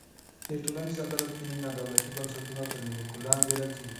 د ټولنیز عدالت ځینې نا دولتي بنسټونه تر نیوکو لاندې راځي.